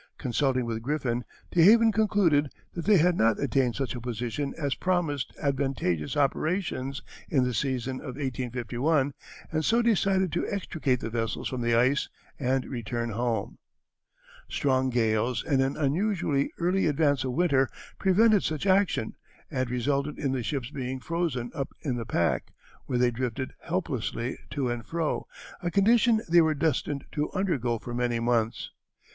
Consulting with Griffin, DeHaven concluded that they had not attained such a position as promised advantageous operations in the season of 1851, and so decided to extricate the vessels from the ice and return home. [Illustration: The Arctic Highway.] Strong gales and an unusually early advance of winter prevented such action and resulted in the ships being frozen up in the pack, where they drifted helplessly to and fro, a condition they were destined to undergo for many months.